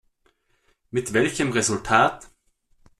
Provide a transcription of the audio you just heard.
Mit welchem Resultat?